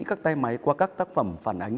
các tay máy qua các tác phẩm phản ánh